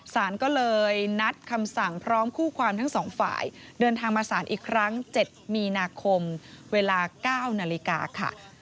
สารก็เลยนัดคำสั่งพร้อมคู่ความทั้งสองฝ่ายเดินทางมาสารอีกครั้ง๗มีนาคมเวลา๙นาฬิกาค่ะ